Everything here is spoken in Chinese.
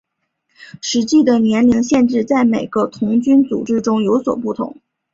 实际的年龄限制在每个童军组织中有所不同。